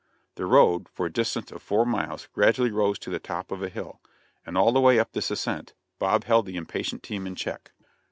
The road, for a distance of four miles, gradually rose to the top of a hill, and all the way up this ascent, Bob held the impatient team in check.